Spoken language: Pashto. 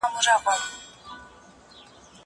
زه اوس سفر کوم!